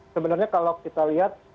sebenarnya kalau kita lihat